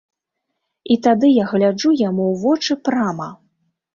І тады я гляджу яму ў вочы прама.